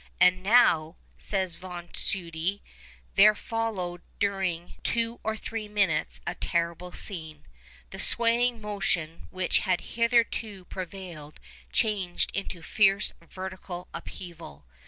'And now,' says Von Tschudi, 'there followed during two or three minutes a terrible scene. The swaying motion which had hitherto prevailed changed into fierce vertical upheaval.